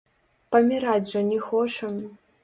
Паміраць жа не хочам.